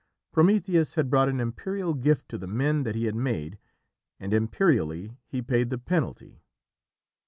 Prometheus had brought an imperial gift to the men that he had made, and imperially he paid the penalty.